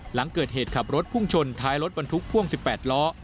หลังเกิดเหตุขับรถพุ่งชนท้ายรถบรรทุกพ่วง๑๘ล้อ